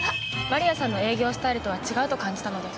丸谷さんの営業スタイルとは違うと感じたので。